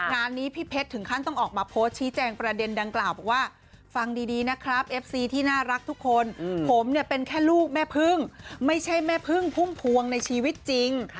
งานนี้พี่เพชรถึงขั้นต้องออกมาโพสต์ชี้แจงประเด็นดังกล่าวบอกว่าฟังดีนะครับเอฟซีที่น่ารักทุกคนผมเนี่ยเป็นแค่ลูกแม่พึ่งไม่ใช่แม่พึ่งพุ่มพวงในชีวิตจริง